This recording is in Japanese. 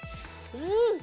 うん！